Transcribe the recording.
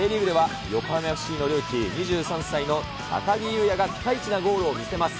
サッカーＪリーグでは横浜ＦＣのルーキー、２３歳の高木友也がピカイチなゴールを見せます。